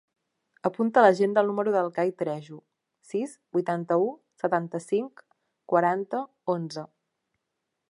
Apunta a l'agenda el número del Cai Trejo: sis, vuitanta-u, setanta-cinc, quaranta, onze.